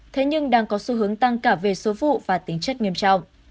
thế nhưng đang có xu hướng tăng cả về số vụ và tính chất nghiêm trọng